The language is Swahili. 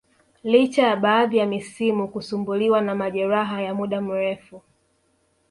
licha ya baadhi ya misimu kusumbuliwa na majeraha ya muda mrefu